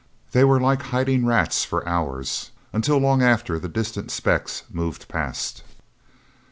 They were like hiding rats for hours, until long after the distant specks moved past.